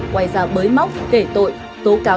quay ra bới móc kể tội tố cáo